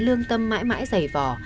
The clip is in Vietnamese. lương tâm mãi mãi dày vò